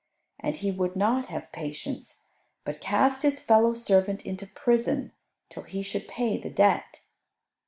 And he would not have patience, but cast his fellow servant into prison till he should pay the debt.